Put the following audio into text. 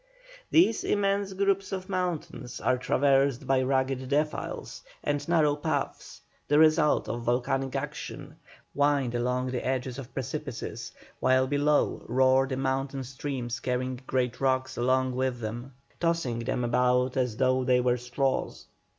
These immense groups of mountains are traversed by rugged defiles, and narrow paths, the result of volcanic action, wind along the edges of precipices, while below roar the mountain streams carrying great rocks along with them, tossing them about as though they were straws.